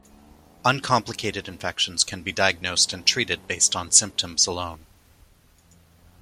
Uncomplicated infections can be diagnosed and treated based on symptoms alone.